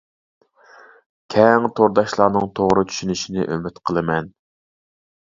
كەڭ تورداشلارنىڭ توغرا چۈشىنىشىنى ئۈمىد قىلىمەن.